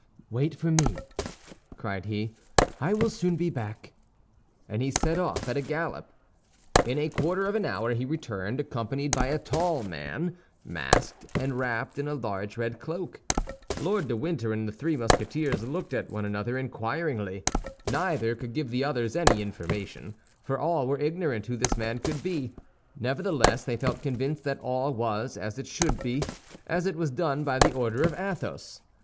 "Wait for me," cried he, "I will soon be back," and he set off at a gallop. In a quarter of an hour he returned, accompanied by a tall man, masked, and wrapped in a large red cloak. Lord de Winter and the three Musketeers looked at one another inquiringly. Neither could give the others any information, for all were ignorant who this man could be; nevertheless, they felt convinced that all was as it should be, as it was done by the order of Athos.